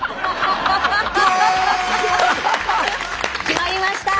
決まりました！